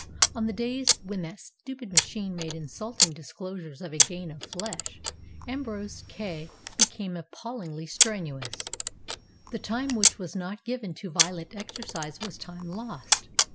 On the days when that stupid machine made insulting dis closures of a gain of flesh, Ambrose Kay became ap pallingly strenuous. The time which was not given to violent exercise was time lost.